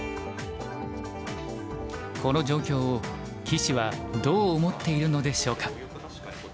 この状況を棋士はどう思っているのでしょうか。